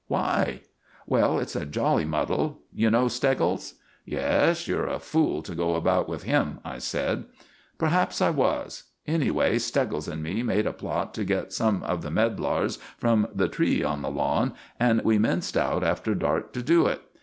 "Why?" "Well, it's a jolly muddle. You know Steggles?" "Yes, you're a fool to go about with him," I said. "Perhaps I was. Anyway, Steggles and me made a plot to get some of the medlars from the tree on the lawn, and we minched out after dark to do it.